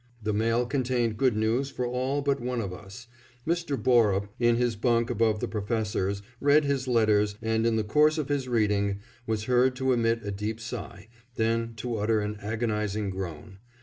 The mail contained good news for all but one of us. Mr. Borup, in his bunk above the Professor's, read his letters, and in the course of his reading was heard to emit a deep sigh, then to utter an agonizing groan.